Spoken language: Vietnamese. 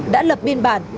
đã lập biên bản